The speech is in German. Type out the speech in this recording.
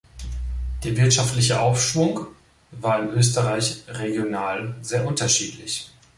Der wirtschaftliche Aufschwung war in Österreich regional sehr unterschiedlich.